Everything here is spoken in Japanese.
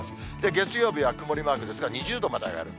月曜日は曇りマークですが、２０度まで上がる。